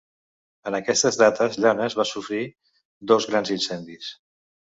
En aquestes dates Llanes, va sofrir dos grans incendis.